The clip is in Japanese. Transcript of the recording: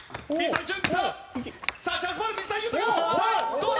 どうだ？